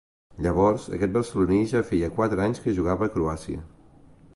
Llavors, aquest barceloní ja feia quatre anys que jugava a Croàcia.